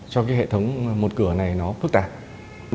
cho cái hệ thống một cửa này nó phức tạp